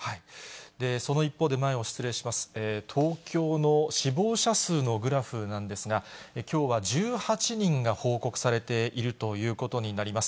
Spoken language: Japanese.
その一方で、前を失礼します、東京の死亡者数のグラフなんですが、きょうは１８人が報告されているということになります。